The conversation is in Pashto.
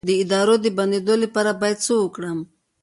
د ادرار د بندیدو لپاره باید څه وکړم؟